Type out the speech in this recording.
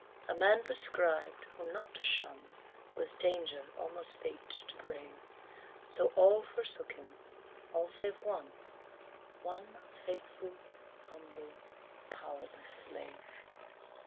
A man proscribed, whom not to shun Was danger, almost fate, to brave, So all forsook him, all save one One faithful, humble, powerless slave.